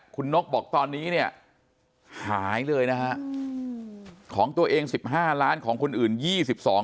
คุณนกบอกตอนนี้เนี่ยหายเลยนะฮะของตัวเอง๑๕ล้านของคนอื่น